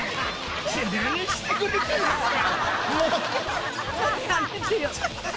何してくれてるんですか！